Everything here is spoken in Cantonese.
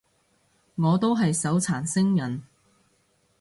我都係手殘星人